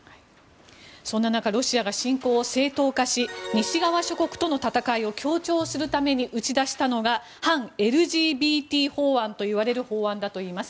そんな中、ロシアが侵攻を正当化し西側諸国との戦いを強調するために打ち出したのが反ＬＧＢＴ法案といわれる法案だといいます。